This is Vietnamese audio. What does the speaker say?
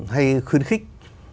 hay khuyến khích